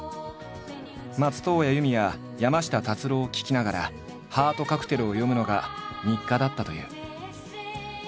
松任谷由実や山下達郎を聴きながら「ハートカクテル」を読むのが日課だったという。